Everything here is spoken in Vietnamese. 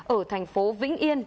ở thành phố vĩnh yên